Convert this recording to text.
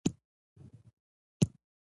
د میوو د ونو عمر څومره دی؟